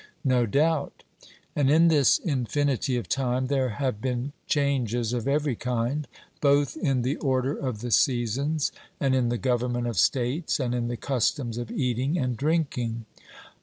'No doubt.' And in this infinity of time there have been changes of every kind, both in the order of the seasons and in the government of states and in the customs of eating and drinking.